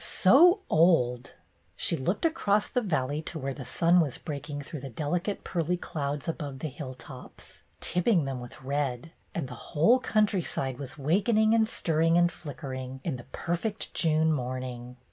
"So old!" She looked across the valley to where the sun was breaking through delicate pearly clouds above the hilltops, tipping them with red, and the whole countryside was wakening and stirring and flickering in the perfect June YOUNG MR. MINTURNE 113 morning.